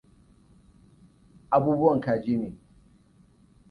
Abubuwan kaji ne.